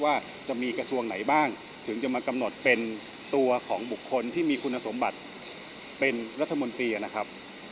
ว่าจะมีกระทรวงไหนบ้างถึงจะมากำหนดเป็นตัวของบุคคลที่มีคุณสมบัติเป็นรัฐมนตรีนะครับ